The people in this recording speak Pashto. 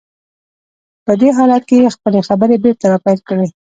په دې حالت کې يې خپلې خبرې بېرته را پيل کړې.